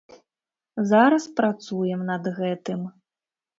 Зараз працуем над гэтым.